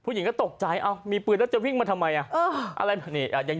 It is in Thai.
ผู้หญิงก็ตกใจว่ามีปืนและจะเร่ง